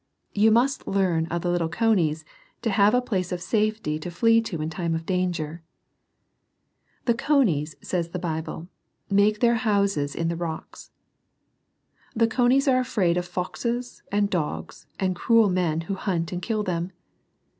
You must learn of the little conies to have a place of safety to flee to in time of danger. "The conies," says the Bible, "make their houses in the rocks." The conies are afraid of foxes, and dogs, and cruel men, who hunt and kill them.